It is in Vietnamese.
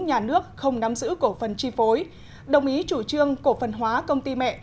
nhà nước không nắm giữ cổ phần chi phối đồng ý chủ trương cổ phần hóa công ty mẹ